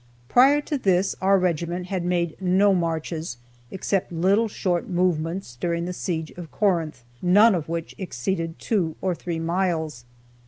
Prior to this our regiment had made no marches, except little short movements during the siege of Corinth, none of which exceeded two or three miles.